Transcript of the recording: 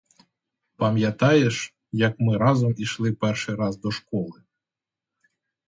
Пам'ятаєш, як ми разом ішли перший раз до школи?